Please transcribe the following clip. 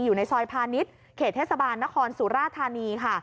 อยู่ในซอยพาณิชย์เขตเทศบาลนครสุราธานีค่ะ